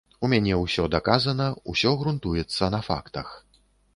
У мяне ўсё даказана, усё грунтуецца на фактах.